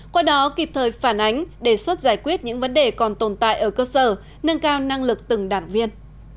qua đó kịp thời phản ánh đề xuất giải quyết những vấn đề còn tồn tại ở cơ sở nâng cao năng lực từng đảng viên